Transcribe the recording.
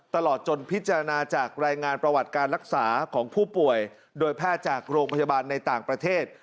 ตลอดจนพิจารณาจากรายงานประวัติการรักษาของผู้ป่วยโดยแพทย์จากโรงพยาบาลในต่างประเทศ